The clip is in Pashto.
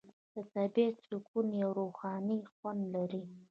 د طبیعت سکون یو روحاني خوند لري.